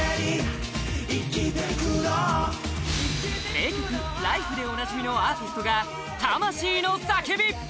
名曲「ＬＩＦＥ」でおなじみのアーティストが魂の叫び！